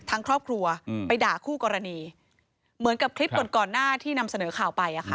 ทั้งครอบครัวไปด่าคู่กรณีเหมือนกับคลิปก่อนก่อนหน้าที่นำเสนอข่าวไปอ่ะค่ะ